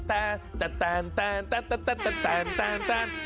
แต่นแต่นแต่นแต่นแต่นแต่นแต่นแต่นแต่นแต่น